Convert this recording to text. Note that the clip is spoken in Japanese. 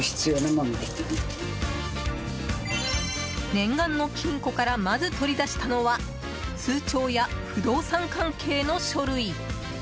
念願の金庫からまず取り出したのは通帳や不動産関係の書類。